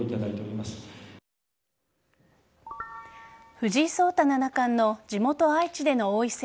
藤井聡太七冠の地元・愛知での王位戦